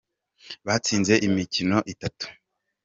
batsinze imikino itatu.